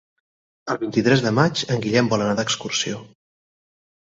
El vint-i-tres de maig en Guillem vol anar d'excursió.